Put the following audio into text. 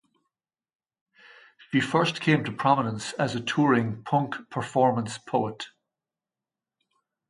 She first came to prominence as a touring punk performance poet.